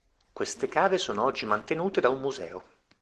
Queste cave sono oggi mantenute da un museo.